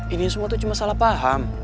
ini semua tuh cuma salah paham